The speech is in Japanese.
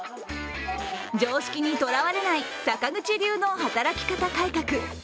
常識にとらわれない坂口流の働き方改革。